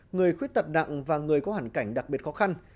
người khuyết tật nặng và người có hoàn cảnh đặc biệt khó khăn